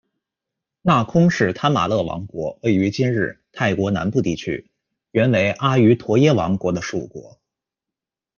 那空是贪玛叻王国位于今日泰国南部地区，原为阿瑜陀耶王国的属国。